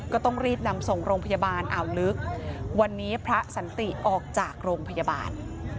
ก็ต้องรีบนำส่งโรงพยาบาลอ่าวลึกวันนี้พระสันติออกจากโรงพยาบาล